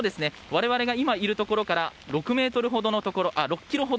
我々が今いるところから６ｋｍほどのところ。